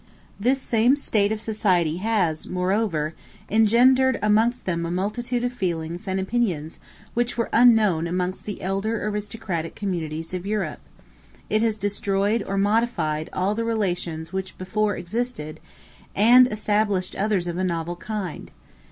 This same state of society has, moreover, engendered amongst them a multitude of feelings and opinions which were unknown amongst the elder aristocratic communities of Europe: it has destroyed or modified all the relations which before existed, and established others of a novel kind.